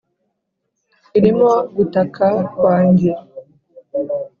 irimo gutaka kwanjye.